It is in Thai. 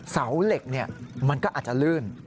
เสาเหล็กมันก็อาจจะลื่น